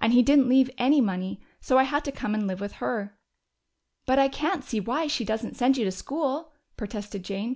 And he didn't leave any money, so I had to come and live with her." "But I can't see why she doesn't send you to school," protested Jane.